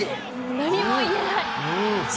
何も言えない。